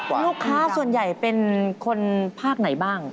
ลูกค้าส่วนใหญ่เป็นคนภาคไหนบ้าง